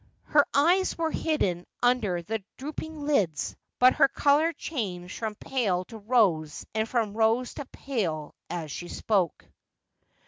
Her eyes were hid den under their drooping lids, but her colour changed from pale to rose and from rose to pale as she spoke.